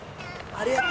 ありがと。